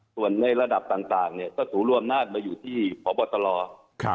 ส่วนในระดับต่างสังแต่งถูกรอบนะอยู่ที่ขอบปฏรร